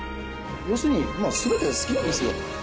要するにまあ全て好きなんですよ。